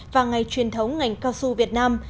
và ngày truyền thống ngành cao su việt nam